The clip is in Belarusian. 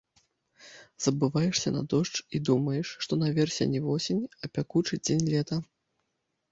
Забываешся на дождж і думаеш, што наверсе не восень, а пякучы дзень лета.